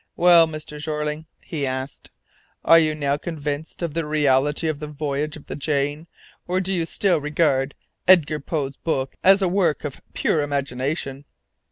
"Well, Mr. Jeorling," he asked, "are you now convinced of the reality of the voyage of the Jane, or do you still regard Edgar Poe's book as a work of pure imagination?"